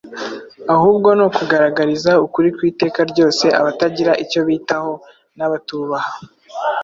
ahubwo ni ukugaragariza ukuri kw’iteka ryose abatagira icyo bitaho n’abatubaha.